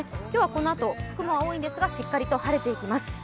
今日はこのあと雲は多いんですがしっかり晴れていきます。